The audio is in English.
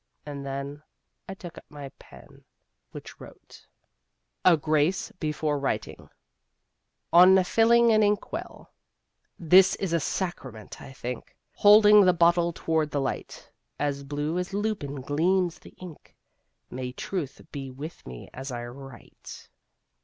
And then I took up my pen, which wrote: A GRACE BEFORE WRITING On Filling an Ink well This is a sacrament, I think! Holding the bottle toward the light, As blue as lupin gleams the ink: May Truth be with me as I write!